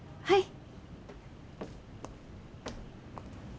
はい。